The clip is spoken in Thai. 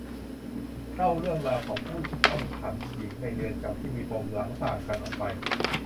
เล่าเรื่องราวของผู้ต้องขังหญิงในเรือนจำที่มีปมหลังต่างกันออกไป